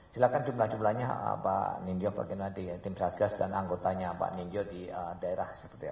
silakan jumlah jumlahnya pak nindyo bagian nanti ya tim satgas dan anggotanya pak nindyo di daerah seperti apa